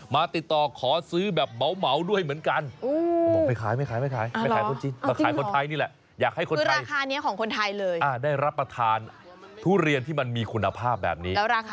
มาติดต่อขอซื้อแบบเหมาด้วยเหมือนกัน